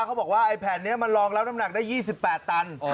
เขาบอกว่าไอ้แผ่นนี้มันลองรับน้ำหนักได้๒๘ตัน